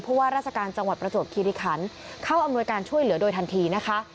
เพราะว่าราชการจังหวัดประจวบคิริคันเข้าอำนวยการช่วยเหลือโดยทันทีนะคะ